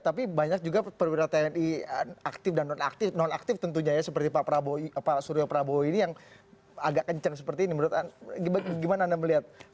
tapi banyak juga perwira tni aktif dan non aktif non aktif tentunya ya seperti pak suryo prabowo ini yang agak kencang seperti ini menurut anda gimana anda melihat